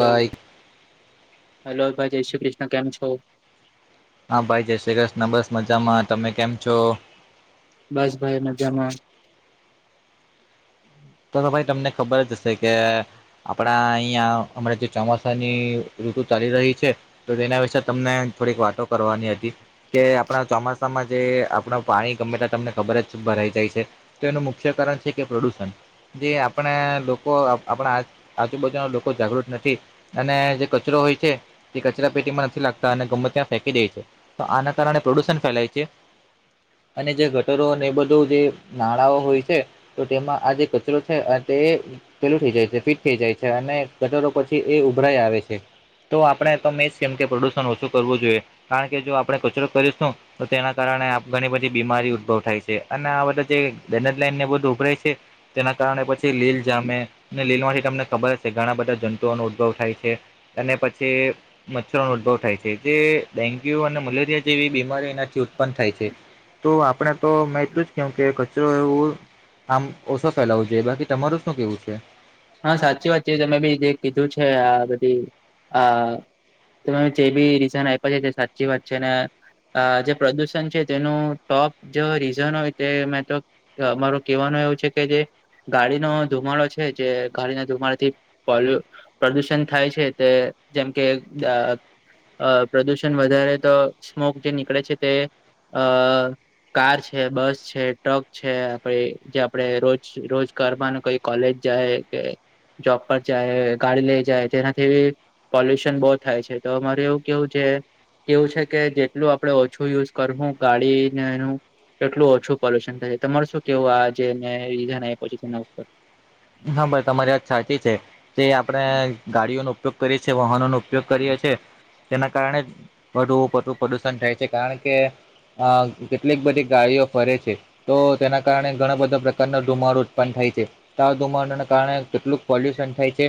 Hello hello ભાઈ જય શ્રી કૃષ્ણ કેમ છો? હા ભાઈ જય શ્રી કૃષ્ણ બસ મજામાં તમે કેમ છો? બસ ભાઈ મજામાં તો તો ભાઈ તમને ખબર જ હશે કે. આપડા અહિયાં હમણાં જે ચોમાસાની ઋતુ ચાલી રહી છે. તો તેના વિશેે તમને થોડીક વાતો કરવાની હતી કે આપણા ચોમાસામાં જે આપણા પાણી ગમે તા તમને ખબર જ છે ભરાઈ જાય છે. તેનું મુખ્ય કારણ છે કે પ્રદુષણ જે આપણે લોકો આ આપણા આજુબાજુના લોકો જાગૃત નથી અને જે કચરો હોય છે. તે કચરા પેટીમાં નથી નાખતા અને ગમે ત્યાં ફેંકી દે છે તો આના કારણે પ્રદુષણ ફેલાય છે. અને જે ગટરો અને એ બધું જે નાળાઓ હોય છે તો તેમાં આજે કરો છે તે પેલું થઈ જાય છે ફિટ થઈ જાય છે અને ગટરો પછી એ ઉભરાય આવે છે. તો આપણે તો મેં જ કેમ કે પ્રદુષણ ઓછું કરવું જોઈએ કારણ કે જો આપણે કચરો કરીશુ તો તેના કારણે આપ ઘણી બધી બીમારી ઉદ્ભવ થાય છે અને આ બધા જે આ ડ્રેનેજ લાઈનને બધું ઉભરાય છે. તેના કારણે પછી લીલ જામે અને લીલ માંથી તમને ખબર જ છે ઘણા બધા જંતુઓનો ઉદભવ થાય છે. અને પછી. મચ્છરોનો ઉદભવ થાય છે જે ડેન્ગ્યુ અને મલેરિયા જેવી બીમારીઓ એનાથી ઉત્પન્ન થાય છે. તો આપડણે તો મેં એટલું જ કેહું કે કચરો એવું આમ. ઓછો ફેલાવો જોઈએ બાકી તમારું શું કેવું છે. હા સાચી વાત છે તમે બી જે કીધું છે આ બધી આ. તમે જે બી રીઝન આપ્યા છે સાચી વાત છે ને. આ જે પ્રદુષણ છે તેનું ટોપ જે રીઝન હોય તે મે તો. અમારો કેવાનો એવું છે કે જે ગાડીનો ધુમાડો છે. જે ગાડીને ધુમારા થી પોલુ. પ્રદૂષણ થાય છે તે જેમ કે. અ પ્રદુષણ વધારે તો સ્મોક જે નીકળે છે તે અ. કાર છે બસ છે ટ્રક છે આપે જે આપડે રોજ રોજ કરવાનું કઈ કોલેજ. જાય કે જોબ પર જાય ગાડી લઈ જાય તેનાથી. પોલ્યુશન બહુ થાય છે તો માર એવું કેવું છે. કેવું છે કે જેટલું આપડણે ઓછું યુઝ કરવું ગાડીનેનું. એટલું ઓછું પોલ્યુશન થાય તમારે શું કેવું આ જેનેધનછી તેના ઉપર. હા ભાઈ તમારી વાત સાચી છે તે આપણે ગાડીઓનો ઉપયોગ કરીએ છે વાહનો નગ. ઉપયોગ કરીએ છીએ તેના કારણે વધુું પ્રદુષણ થાય છે કારણ કે. અ કેટલીક બધી ગાડીઓ ફરે છે. તો તેના કારણે ઘણા બધા પ્રકાર ન ધુમાડો ઉત્પન્ન થાય છે. ઘુમાંડાને કારણે કેટલુંક પોલ્યુશન થાય છે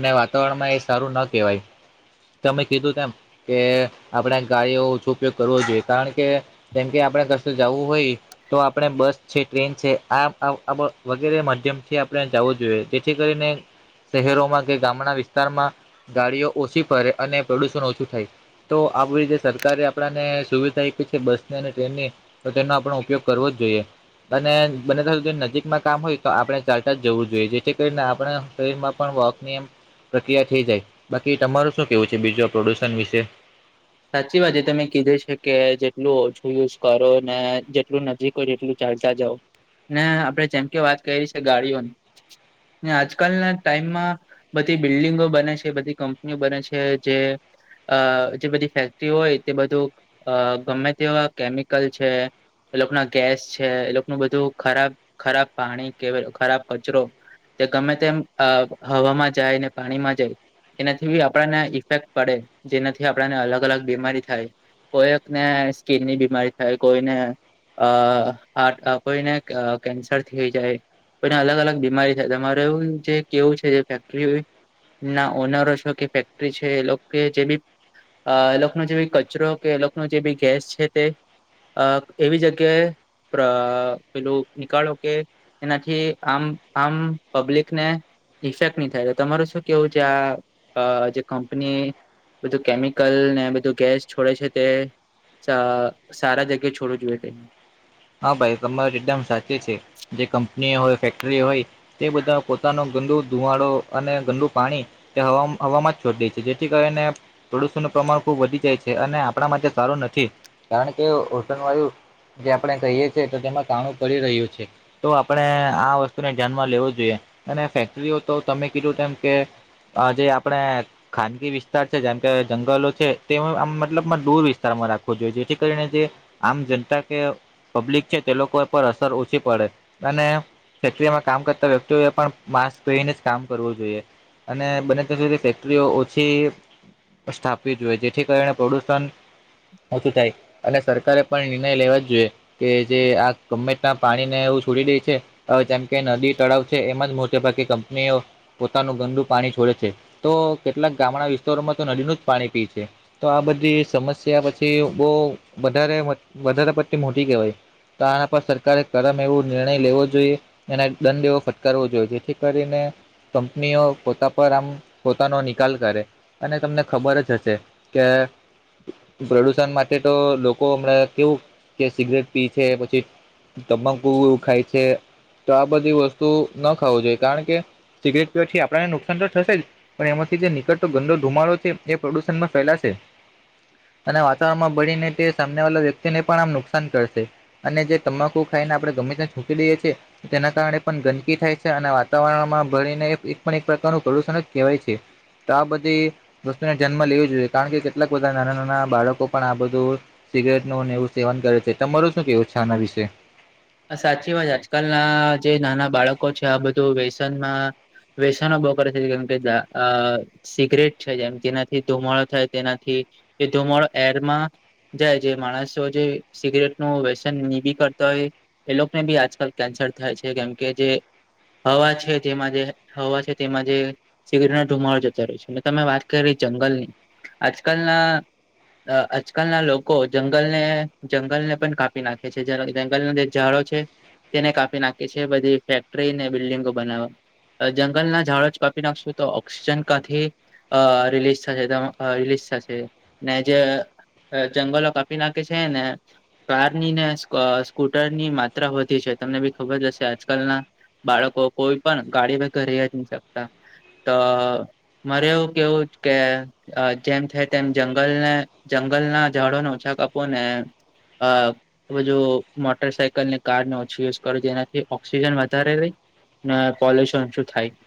અને વાતાવરણમાં એ સારું ના કહેવાય. તમે કીધું તેમ કે આપણે ગાડીઓ ઓછો ઉપયોગ કરવો જોઈએ કારણ કે. જેમ કે આપડે કશું જવું હોય. તો આપણે બસ છે ટ્રેન છે આ વગેરે માધ્યમથી. જવું જોઈએ જેથી કરીને શહેરોમાં કે ગામના વિસ્તારમાં. ગાડીઓ ઓછી ફરે અને પ્રદુષણ ઓછું થાય. તો આ ભુલી જે સરકારે આપને સુવિધા આપી છે બસની અને ટ્રેનની. તો તેનો આપણ ઉપયોગ કરવો જ જોઈએ અને બને ત્યાં સુધી નજીકમાં કામ હોય તો આપણે. સ્ટાટા જવું જોઈએ જેથી કરીને આપણે શરીરમાં પણ વોકની. પ્રક્રિયા થઈ જાય બાકી તમારું શું કેવું છે બીજું પ્રોડુશન વિશે. સાચી વાત એ તમે કીધી છે કે જેટલું ઓછું યુઝ કરો ને જેટલું નજીક. કો જેટલું ચાલતા જવ ને આપણે જેમ કે વાત કરી છે ગાડીઓની. ને આજકાલના ટાઈમમાં. બધી બિલ્ડિંગો બને છે બધી કંપનીઓ બને છે જે જે બધી. ફેક્ટરી હોય તે બધું અ ગમે તેવા કેમિકલ છે. એ લોકો ના ગેસ છે એ લોકોનું બધું ખરાબ ખરાબ પાણી કે ખરાબ કચરો. તે ગમે તેમ હવામાં જાય ને પાણીમાં જાય. એનાથી બી આપણને ઇફેક્ટ પડે જેનાથી આપણને અલગ અલગ બીમારી થાય. કોઈકને સ્કીિનની બીમારી થાય કોઈને. અ કોઈને કેન્સર થઈ જાય. પણ અલગ અલગ બીમારી છે તમારે એવું જે કેવું છે જે ફેક્ટરી. ના ઓનરો છો કે ફેક્ટરી છે એ લોકો જે બી. અ લોકોકનો જે બી કચરો કે લોકોનો જે બી ગેસ છે તે એવી જગ્યાએ. અ પેલું નિકળો કે. એનાથી આમ આમ પબ્લિકને. ઇફેક્ટ નહી થાય તો તમારું શું કેવું છે આ જે કંપની બધું કેમ. કલ ને બધું ગેસ છોડે છે તે સારા જગ્યાએ છોડવ જોઈએ ટ. હા ભાઈ તમારે એકદમ સાચે છે જે કંપનીઓ હોય ફેક્ટરી હોય તે બધા પોતાનો. ગંદુ ધુવાડો અને ગંદુ પાણી એ હવામાં જ છોડી દે છે જેથી કરીને. પડુસ નું પ્રમાણ ખુબ વધી જાય છે અને આપણા માટે સારું નથી કારણ કે ઓસનવાયુ. આપણે કહીએ છીએ તો તેમાં કાણું પડી રહ્યું છે. તો આપણે આ વસ્તુને ધ્યાનમાં લેવો જોઈએ અને ફેક્ટરીઓ તો તમે કીધું તેમ કે આજે આપણે. ખાનગી વિસ્તાર છે. જેમ કે જંગલો છે તે આમ મતલબ દૂર વિસ્તારમાં રાખવો જોઈએ. જેથી કરીને જે આમ જનતા કે પબ્લિક છે તે લોકો પર અસર ઓછી પડે અને ફેક્ટરીમાં કામ કરતા વ્યક્તિઓ એ પણ માસ્ક પેરીને જ કામ કરવું જોઈએ. અને બને ત્યાં સુધી ફેક્ટરીઓ ઓછી સ્થાપવી જોઈએ જેથી કરીને પ્રદૂષણ ઓછું થાય, અને સરકારે પણ નિર્ણય લેવા જ જોઈએ. કે જે આ ગમેતા પાણી ને એવું છોડી દે છે. અ જેમ કે નદી તળાવ છે એમાં જ મોટે ભાગ કંપનીઓ પોતાનું ગંદુ પાણી છોડે છે, તો કેટલાક ગામડા વિસ્તારોમાં તો નદીનું જ પાણી પી છે. તો આ બધી સમસ્યા પછી બો વધારે વધારે પટતી મોટી કેહેવાય. તો આના પર સરકારે કરમ એવો નિર્ણય લેવો જોઈએ. એના દંડ એવો ફટકારવો જોઈએ જેથી કરીને. કંપનીઓ પોતા પર આમ પોતાનો નિકાલ કરે. અને તમને ખબર જ હશે, કે પ્રદુષણ માટે તો લોકો હમણાં કેવું કે સિગરેટ પી છે, પછી તમાકુ ખાય છે. તો આ બધી વસ્તુ ના ખાવું જોઈએ કારણ કે સિગરેટ પીવાથી આપણને નુકસાન તો થશે જ. પણ એમાંથી જે નિકળતો ગંદો ધુમાડો છે એ પ્રદુષણ માં ફેલાશે. અને વાતાવરણમાં ભળીને તે સામને વાલા વ્યક્તિને પણ આમ નુકસાન કરશે. અને જે તમાકુ ખાઈને આપડે ગમે ત ત્યાંને થુંકી દઈએ છીએ. તેના કારણે પણ ગંદકી થાય છે અને વાતાવરણમાં ભળને એક પણ એક પ્રકારનું પ્રદુષણ જ કહેવાય છે. તો આ બધી વસ્તુને જન્મ લેવી જોઈએ, કારણ કે કેટલાક બધા નાના નાના બાળકો પણ આ બધું સિગરેટ ન એવું સેવન કરે છે તમારું શું કેવું છે આના વિષય સાચી વાત આજકાલના જે નાના બાળકો છે આ બધું વ્યસનમાં વ્યશનો બવ કર છે ગકજ આ સિગરેટ છે. જેમ જેનાથી, ધુમાડો થાય તેનાથી તે ધુમાડો એરમાં જાય જે માણસો જે સિગરેટ નું વ્યસન નિભી કરતા હોય. એ લોકોને બી આજકાલ કેન્સર થાય છે કેમકે જે હવા છે જેમાં જે હવા છે તેમાં જે સિગરીનો ધુમાડો જતો રહે્યો છે અનેટ તમે વાત કરી જંગલની, આજકાલના આજકાલના લોકો જંગલને જંગલને પણ કાપી નાખે છે જંગલનું જે ઝાડો છે, તેને કાપી નાખી છે બધી ફેક્ટરીને બિલ્ડિંગો બનાવવા. જંગલના ઝાડો જ કાપી નાખશો તો ઓક્સિજન કાથી અ રિલીઝ થશે દમ રિલીઝ થશે, ને જ જંગલો કાપી નાખી છે ને કારની ને સ્કૂ ટર ની માત્રા વધી છે તમને બી ખબર હશે આજકાલના બાળકો કોઈ પણ ગાડી વગર ર જ નહી શકતા, તો મારે એવું કેવું કે જેમ થાય તેમ જંગલને જંગલના ઝાડોને ઓછા કપો ને. આ સમજ જો મોટર સાઇકલ ની કારને ઓછી યુઝ કરું જેનાથી ઓક્સિજન વધારે રહી. ને પોલ્યુશન ઓછું થાય.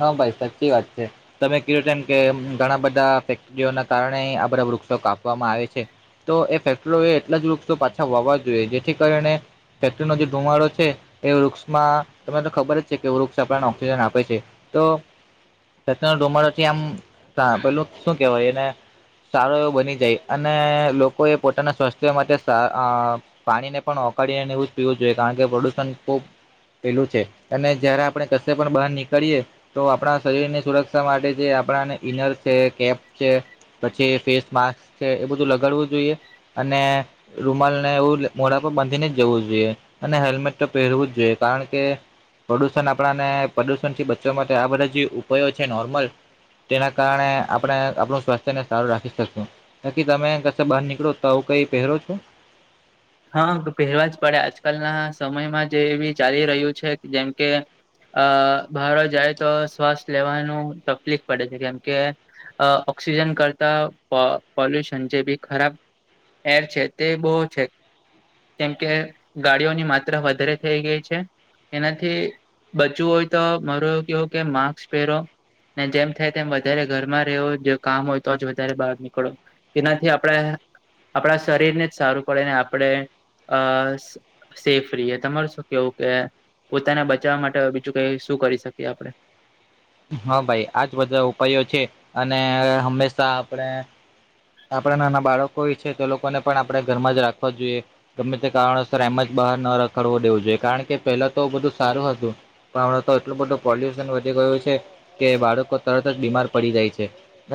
હા ભાઈ સાચી વાત છે. તમે કીધું તેમમ કે ઘણા બધા ફેક્ટરીઓના કારણે આ બધા વૃક્ષો કાપવામાં આવે છે. તો એ ફેક્ટરી એ એટલા જ વૃક્ષો પાછા વાવા જોઈએ જેથી કરીને ફેક ટ્રીનો જે ધુમાડો છે. એ વૃક્ષમાં તમને તો ખબર જ છે કે વૃક્ષ આપણને ઓક્સિજન આપે છે, તો ડુમથી આમ પેલું શું કેવાય એને સારો એવો બની જાય અને લોકોએ પોતાના સ્વાસ્થ્ય માટે સા અ પાણીને પણ ઓકાળીને એવું જ પીવું જોઈએ કારણ કે પ્રદુષણ ખુબ પેલું છે અને જયારે આપણે કશે પણ બહાર નીકળીએ, તો આપણા શરીરની સુરક્ષા માટે જે આપણાને ઈનર છે, કેપ છે. પછી ફેસ માસ્ક છે કે એ બધું લગાડવું જોઈએ અને રૂમાલ ને એવું મોડા પર બાંધી ને જવું જોઈએ. અને હેલ્મેટ તો પહેરવું જ જોઈએ કારણ કે પ્રદુષણ આપણાને પ્રદુષણ થી બ બચવા માટે આ બધા જે ઉપાયો છે નોર્મલ. તેના કારણે આપણે આપણું સ્વાસ્થ્યને સારું રાખી શકીશું. બાકી તમે કશે બહાર નીકળો તો આવું કઈ પહેરો છો. હા પહેરવા જ પડે આજકાલના સમયમાં જે એવી ચાલી રહ્યું છે જેમ કે અ બાર જાય તો શ્વાસ લેવાનું તકલીફ પડે છે કેમ કે અ ઓક્સિજન કરતા પ પોલ્યુશન જે બી ખરાબ એર છે તે બહુ છે. કેમકે ગાડીઓની માત્રા વધારે થઇ ગઈ છે. એનાથી બચવું હોય તો મારૂ એવું કેવું કે માસ્ક પહેરો. જેમ થાય તેમ વધારે ઘરમાં રેહો જો કામ હોય તો જ વધારે બહાર નીકળો. એનાથી આપણા આપણા શરીરને જ સારું પડે અને આપણે અ સેફ રીએ તમાર શું કેવું કે પોતાને બચાવવા માટે બીજું કઈ શું કરી શકીએ આપડે. હા ભાઈ આજ બધા ઉપાયો છે અને હંમેશા આપણે આપણા નાના બાળકોએ છે તે લોકોને પણ આપણે ઘરમાં જ રાખવા જોઈએ. ગમે તે કારણોસર એમ જ બહાર ન રખડવો દેવું જોઈએ કારણ કે પેલા તો બધું સારું હતું. પણ હમણે તો એટલું બધું પોલ્યુશન વધી ગયું છે કે બાળકો તરત જ બીમાર પડી જાય છે.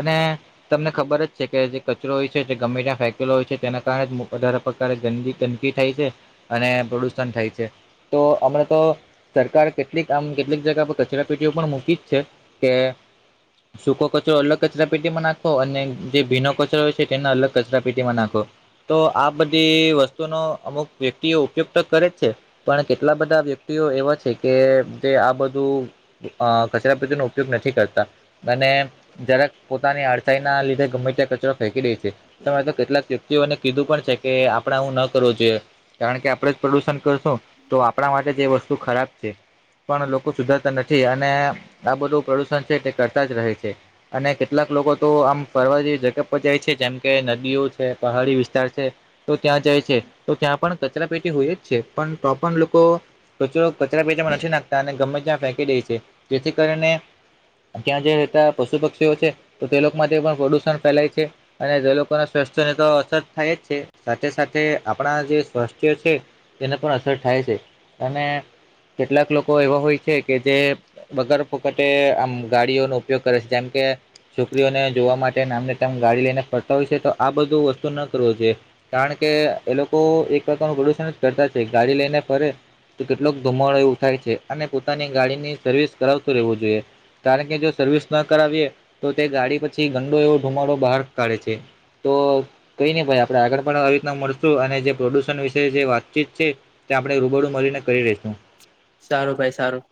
અને તમને ખબર જ છે કે કચરો હોય છે જે ગમે ત્યાં ફેંકેલો હોય છે તેના કારણે જ વધારે પ્રકારે ગંદી ગંદકી થાય છે. અને પ્રદુષણ થાય છે તો હમણા તો સરકાર કેટલીક આમ કેટલીક જગા પર કચરા પેટીઓ પણ મૂકી જ છે કે સૂકો કચરો અલગ કચરા પેટીમાં નાખો અને જે ભીનો કચરો હોય છે તેના અલગ કચરા પેટીમાં નાખો. તો આ બધી વસ્તુનો અમુક વ્યક્તિઓ ઉપયોગ તો કરે છે. પણ કેટલા બધા વ્યક્તિઓ એવા છે કે જે આ બધું અ કચરા પેટીનો ઉપયોગ નથી કરતા. અને જરાક પોતાની આડસાઈ ના લીધે ગમે ત્યાં કચ કચરો ફેંકી દે છે તો મેં તો કેટલાક વ્યક્તિઓને કીધું પણ છે કે આપડે આવુ ન કરવું જોઈએ. કારણ કે આપણે જ પ્રદુષણ કરશું તો આપણા માટે જે વસ્તુ ખરાબ છે. પણ લોકો સુધરતા નથી અને આ બધું પ્રદુષણ છે તે કરતા જ રહે છે. અને કેટલાક લોકો તો આમ ફરવા જેવી જગા ઉપર જાય છે જેમ કે નદીઓ છે, પહાડી વિસ્તાર છે. તો ત્યાં જાય છે તો ત્યાં પણ કચરા પેટી હોય જ છે પણ તો પણ લોકો કચરો કચરા પેટીમા નથી નાખતા અને ગમે ત્યાં ફેંકી દે છે જેથી કરીને. ત્યાં જે રહેતા પશુ પક્ષીઓ છે તો તે લોકો માટે પણ પ્રદુષણ ફેલાય છે. અને જે લોકો ના સ્વાસ્થ્યને તો અસર થાય જ છે સાથે-સાથે આપણા જે સ્વાસ્થ્ય છે. તેને પણ અસર થાય છે અને કેટલાક લોકો એવા હોય છે કે જે વગર ફોકટે આમ ગાડીઓનો ઉપયોગ કરે છે જેમ કે છોકરીઓને જોવા માટે આમને તેમ. તેમ ગાડી લઈને ફરતા હોય છે તો આ બધું વસ્તુ ન કરવું જોઈએ. કારણ કે એ લોકો એક પ્રકારનું પ્રદુષણ જ કરતા છે ગાડી લઈને ફરે તો કેટલોક ધુમાડો એવું થાય છે અને પોતાની ગાડીની સર્વિસ કરાવતો રહેવું જોઈએ. કારણ કે જો સર્વિસ ન કરાવીએ તો તે ગાડી પછી ગંડો એવો ધુમાડો બહાર કાઢે છે. તો કઈ નહી ભાઈ આપણે આગળ પણ આવી રીતના મળશું અને જે પ્રદૂષણ વિશે જે વાતચીત છે તે આપણે રૂબડું મળીને કરી રશું. સારું ભાઈ સારું